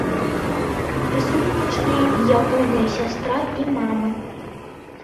Прысутнічалі ягоныя сястра і мама.